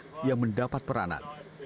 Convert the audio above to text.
mereka mulai menyertai dan mengingat peranan